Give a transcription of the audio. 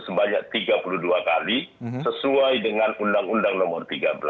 sebanyak tiga puluh dua kali sesuai dengan undang undang nomor tiga belas